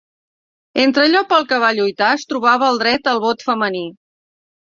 Entre allò pel que va lluitar es trobava el dret al vot femení.